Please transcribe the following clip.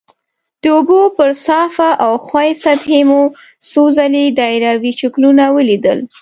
د اوبو پر صافه او ښویې سطحې مو څو ځلې دایروي شکلونه ولیدل.